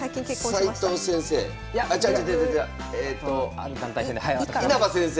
斎藤先生？